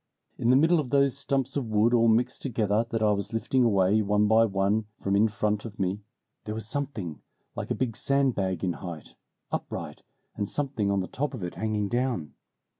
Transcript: In the middle of those stumps of wood all mixed together that I was lifting away one by one from in front of me, there was something like a big sandbag in height, upright, and something on the top of it hanging down.